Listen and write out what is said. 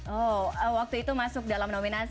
oh waktu itu masuk dalam nominasi